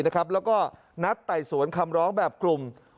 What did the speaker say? แล้วก็นัดไต่สวนคำร้องแบบกลุ่ม